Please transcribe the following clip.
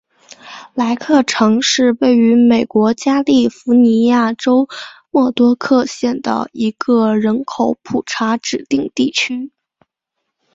莱克城是位于美国加利福尼亚州莫多克县的一个人口普查指定地区。